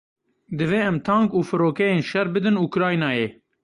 Divê em tank û firokeyên şer bidin Ukraynayê.